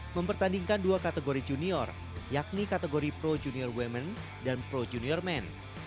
mempertandingkan dua kategori junior yakni kategori pro junior women dan pro junior men